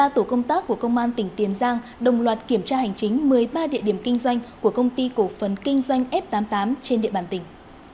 ba tổ công tác của công an tỉnh tiền giang đồng loạt kiểm tra hành chính một mươi ba địa điểm kinh doanh của công ty cổ phần kinh doanh f tám mươi tám trên địa bàn tỉnh